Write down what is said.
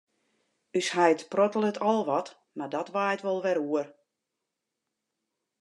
Us heit prottelet al wat, mar dat waait wol wer oer.